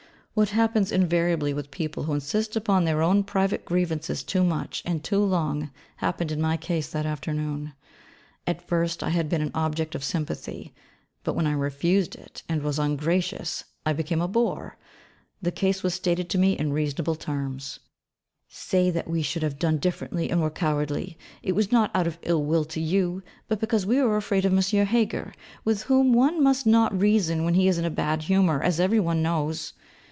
What happens invariably with people who insist upon their own private grievances too much, and too long, happened in my case that afternoon: at first I had been an object of sympathy, but when I refused it, and was ungracious, I became a bore. The case was stated to me in reasonable terms: 'Say that we should have done differently and were cowardly. It was not out of ill will to you, but because we were afraid of M. Heger, with whom one must not reason when he is in a bad humour, as every one knows.